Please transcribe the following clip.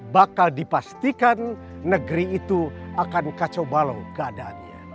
bakal dipastikan negeri itu akan kacau balau keadaannya